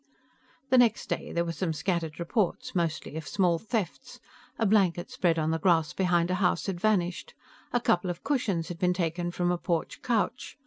The next day, there were some scattered reports, mostly of small thefts. A blanket spread on the grass behind a house had vanished. A couple of cushions had been taken from a porch couch.